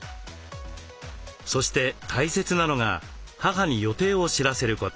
そして大切なのが母に予定を知らせること。